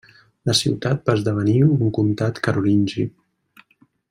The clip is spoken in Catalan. La ciutat va esdevenir un comtat carolingi.